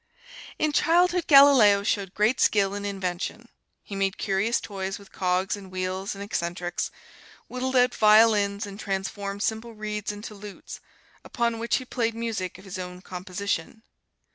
In childhood Galileo showed great skill in invention. He made curious toys with cogs and wheels and eccentrics; whittled out violins, and transformed simple reeds into lutes, upon which he played music of his own composition.